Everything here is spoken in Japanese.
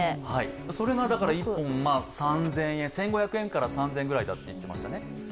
それが１本１５００円から３０００円ぐらいだと言っていましたね。